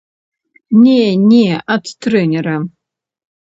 Не, не ад трэнера.